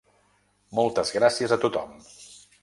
Moltes gràcies a tothom!